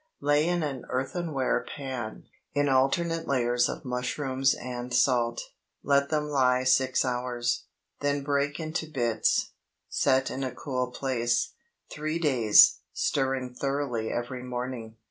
Lay in an earthenware pan, in alternate layers of mushrooms and salt; let them lie six hours, then break into bits. Set in a cool place, three days, stirring thoroughly every morning.